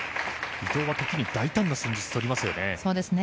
伊藤は時に大胆な戦術を取りますよね。